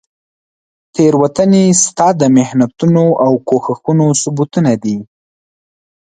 تیروتنې ستا د محنتونو او کوښښونو ثبوتونه دي.